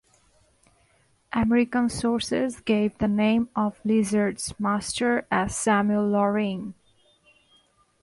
American sources gave the name of "Lizard"s master as Samuel Loring.